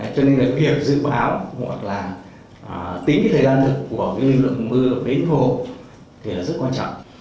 cho nên việc dự báo hoặc là tính thời gian lực của lượng mưa đến hồ thì rất quan trọng